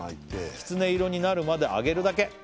「きつね色になるまで揚げるだけ」